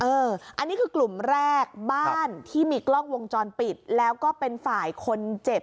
อันนี้คือกลุ่มแรกบ้านที่มีกล้องวงจรปิดแล้วก็เป็นฝ่ายคนเจ็บ